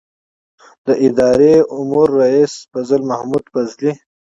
د اداره امور رئیس فضل محمود فضلي